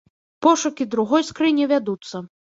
Пошукі другой скрыні вядуцца.